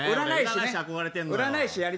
占い師憧れてるの。